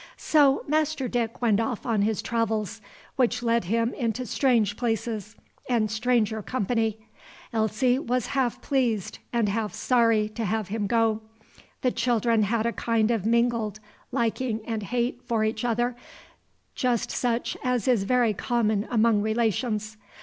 So Master Dick went off on his travels, which led him into strange places and stranger company. Elsie was half pleased and half sorry to have him go; the children had a kind of mingled liking and hate for each other, just such as is very common among relations.